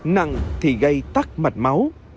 nặng thì gây tắc mạch máu